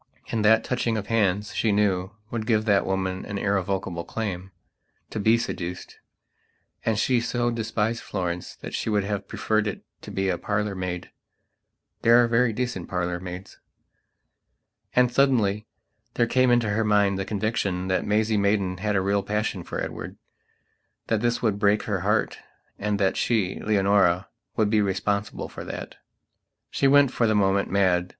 And that touching of hands, she knew, would give that woman an irrevocable claimto be seduced. And she so despised Florence that she would have preferred it to be a parlour maid. There are very decent parlour maids. And, suddenly, there came into her mind the conviction that Maisie Maidan had a real passion for Edward; that this would break her heartand that she, Leonora, would be responsible for that. She went, for the moment, mad.